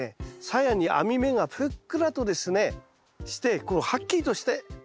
さやに網目がふっくらとですねしてこうはっきりとしてたらですね